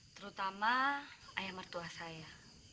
terutama ayah mertua saya